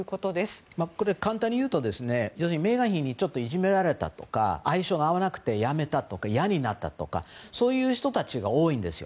これは簡単に言うとメーガン妃にちょっといじめられたとか相性が合わなくて辞めたとかいやになったとかそういう人たちが多いんですよ。